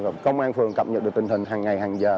và công an phường cập nhật được tình hình hằng ngày hằng giờ